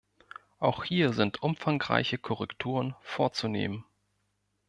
Auch hier sind umfangreiche Korrekturen vorzunehmen.